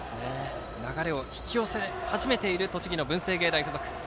流れを引き寄せ始めている栃木の文星芸大付属。